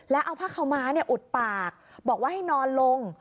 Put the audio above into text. แล้วเอาผ้าเข้ามาเนี่ยอุดปากบอกว่าให้นอนลง